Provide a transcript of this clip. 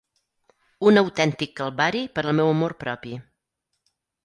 Un autèntic calvari per al meu amor propi.